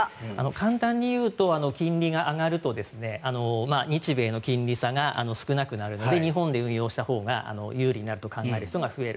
簡単に言うと金利が上がると日米の金利差が少なくなるので日本で運用したほうが有利になると考える人が増える。